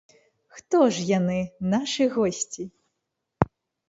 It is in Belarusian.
Хто ж яны, нашы госці?